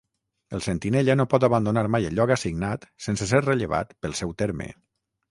El sentinella no pot abandonar mai el lloc assignat sense ser rellevat pel seu terme.